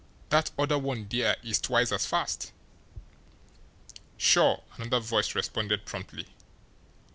That other one there is twice as fast." "Sure!" another voice responded promptly.